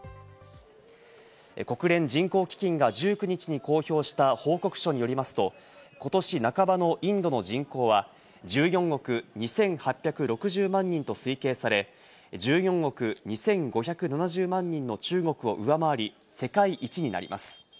国連人口基金が１９日に公表した報告書によりますと、今年半ばのインドの人口は１４億２８６０万人と推計され、１４億２５７０万人の中国を上回り、世界一になります。